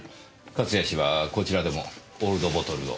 勝谷氏はこちらでもオールドボトルを？